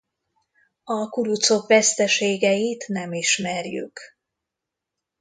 A kurucok veszteségeit nem ismerjük.